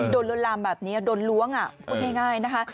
ลวนลามแบบนี้โดนล้วงพูดง่ายนะคะ